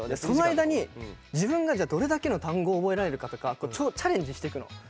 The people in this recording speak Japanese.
その間に自分がどれだけの単語を覚えられるかとかチャレンジしていくの。